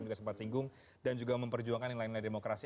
juga sempat singgung dan juga memperjuangkan nilai nilai demokrasi